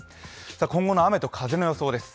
今後の雨と風の予想です。